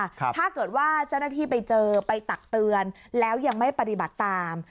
ถ้าเกิดว่าเจ้าหน้าที่ไปเจอไปตักเตือนแล้วยังไม่ปฏิบัติตาม